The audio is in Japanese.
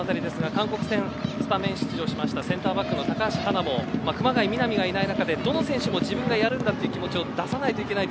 韓国戦スタメン出場したセンターバックの高橋も熊谷、南がいない中でどの選手も自分がやるんだという気持ちを出さないといけない